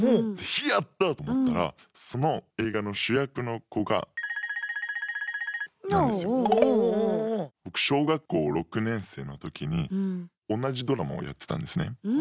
「やった！」と思ったらその映画の主役の子が僕小学校６年生の時に同じドラマをやってたんですね。